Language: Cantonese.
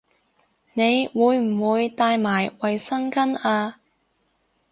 你會唔會帶埋衛生巾吖